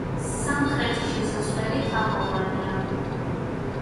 სამხრეთი შესასვლელი თაღოვანია.